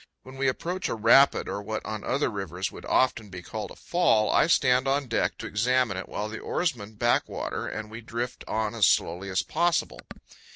When we approach a rapid, or what on other rivers would often be called a fall, I stand on deck to examine it, while the oarsmen back water, and we drift on as slowly as possible.